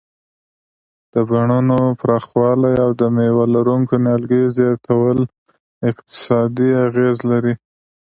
د بڼونو پراخوالی او د مېوه لرونکو نیالګیو زیاتول اقتصادي اغیز لري.